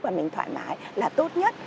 và mình thoải mái là tốt nhất